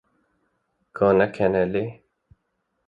Ka ne kene lê